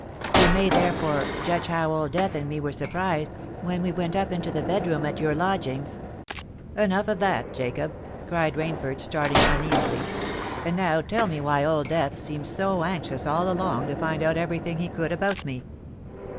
You may, therefore, judge how Old Death and me were surprised, when we went up into the bed room at your lodgings——" "Enough of that, Jacob!" cried Rainford, starting uneasily. "And now tell me why Old Death seemed so anxious all along to find out every thing he could about me?"